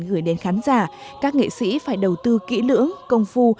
gửi đến khán giả các nghệ sĩ phải đầu tư kỹ lưỡng công phu